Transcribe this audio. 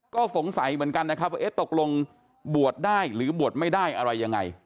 ก็สงสัยเหมือนกันนะครับว่าเอ๊ะตกลงบวชได้หรือบวชไม่ได้อะไรยังไง